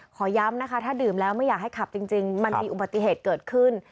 ขอย้ำนะคะถ้าดื่มแล้วไม่อยากให้ขับจริงมันมีอุบัติเหตุเกิดขึ้น